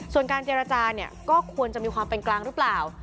ส่วนการเจรจาเนี่ยก็ควรจะมีความเป็นกลางหรือเปล่า